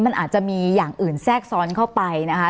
มันอาจจะมีอย่างอื่นแทรกซ้อนเข้าไปนะคะ